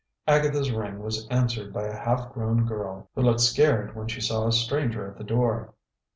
Agatha's ring was answered by a half grown girl, who looked scared when she saw a stranger at the door.